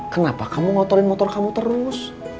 kenapa kamu ngotorin motor kamu terus